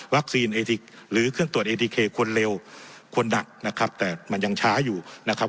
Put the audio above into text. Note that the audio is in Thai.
วัคซีนหรือเครื่องตรวจคนเร็วคนหนักนะครับแต่มันยังช้าอยู่นะครับ